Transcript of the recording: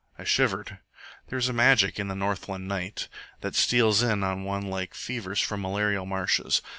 I shivered. There is a magic in the Northland night, that steals in on one like fevers from malarial marshes.